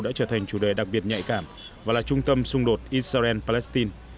đã trở thành chủ đề đặc biệt nhạy cảm và là trung tâm xung đột israel palestine